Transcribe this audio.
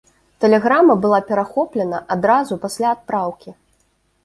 Тэлеграма была перахоплена адразу пасля адпраўкі.